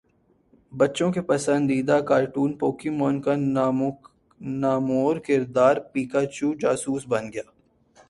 بچوں کے پسندیدہ کارٹون پوکیمون کا نامور کردار پکاچو جاسوس بن گیا